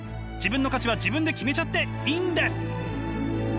自分の価値は自分で決めちゃっていいんです！